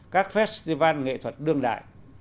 các festival nghệ thuật đương đại